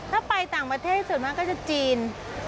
ถ้าไปต่างประเทศส่วนมากก็จะจีน